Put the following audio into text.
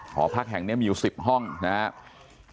หอพักแห่งนี้มีอยู่๑๐ห้องนะครับ